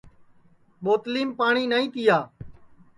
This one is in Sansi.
ٻوتلِیم پاٹؔی نائی تِیا